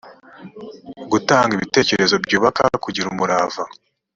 gutanga ibitekerezo byubaka kugira umurava